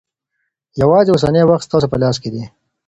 یوازې اوسنی وخت ستاسې په لاس کې دی.